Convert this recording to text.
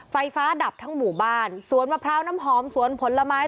ไฟฟ้าดับทั้งหมู่บ้านสวนมะพร้าวน้ำหอมสวนผลไม้